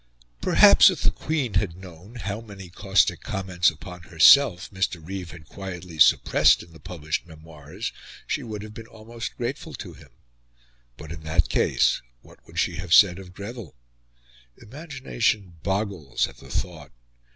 Perhaps if the Queen had known how many caustic comments upon herself Mr. Reeve had quietly suppressed in the published Memoirs, she would have been almost grateful to him; but, in that case, what would she have said of Greville? Imagination boggles at the thought.